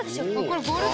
これ。